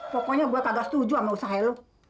pokoknya gue kagak setuju sama usaha lo